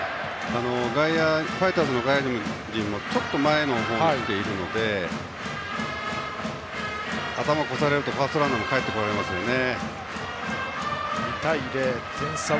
ファイターズの外野陣もちょっと前に来ているので頭、越されるとファーストランナーもかえってこられますよね。